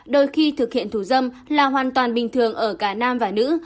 đôi khi thực hiện thủ dâm là hoàn toàn bình thường ở cả nam và nữ